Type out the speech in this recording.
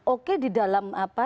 oke di dalam apa